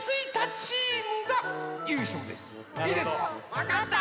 わかった！